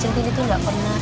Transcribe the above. cinta itu gak pernah